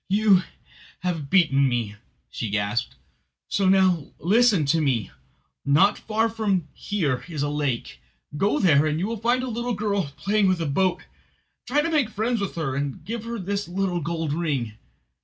"You have beaten me," she gasped, so now, listen to me. "Not far from here is a lake. Go there; you will find a little girl playing with a boat. Try to make friends with her, and give her this little gold ring.